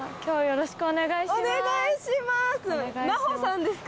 よろしくお願いします。